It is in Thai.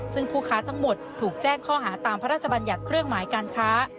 ซึ่งผู้ค้าทั้งหมดถูกแจ้งข้อหาตามพระราชบัญญัติเครื่องหมายการค้า